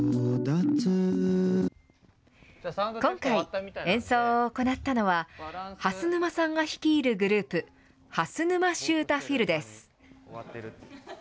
今回、演奏を行ったのは、蓮沼さんが率いるグループ、蓮沼執太フィルです。